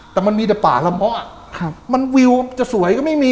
แต่มันมีแต่ป่ามะมันวิวสวยไม่มี